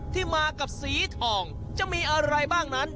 ที่มากับสีทองจะมีอะไรบ้างนั้น